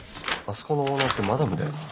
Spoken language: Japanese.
あそこのオーナーってマダムだよな。